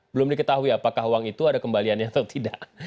belum diketahui apakah uang itu ada kembaliannya atau tidak